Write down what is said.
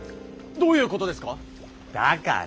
どういうことですか？